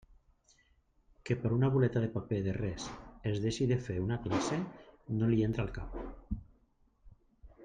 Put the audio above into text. Que per una boleta de paper de res es deixe de fer una classe, no li entra al cap.